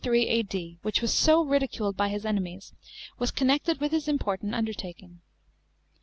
D.. which was so rlliculed by his enemit s, was connected with this important undertaking.